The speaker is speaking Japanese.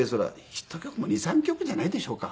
ヒット曲も２３曲じゃないでしょうか。